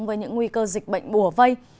với những nguy cơ dịch bệnh bùa vây